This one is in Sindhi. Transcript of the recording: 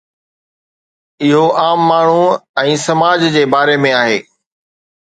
اهو عام ماڻهو ۽ سماج جي باري ۾ آهي.